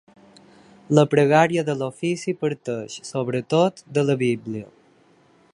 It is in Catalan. La pregària de l'ofici parteix, sobretot, de la Bíblia.